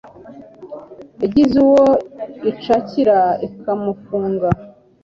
igize uwo icakira, ikamufunga